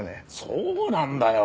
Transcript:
そうなんだよ。